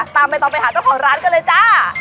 ตามไปต่อไปหาเจ้าของร้านกันเลยจ้า